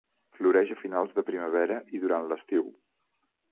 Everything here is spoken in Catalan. Floreix a finals de primavera i durant l'estiu.